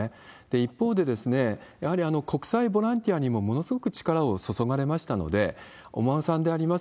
一方で、やはり国際ボランティアにもものすごく力を注がれましたので、えお孫さんであります